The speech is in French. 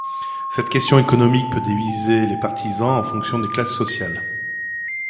Cette question économique peut diviser les partisans en fonction des classes sociales.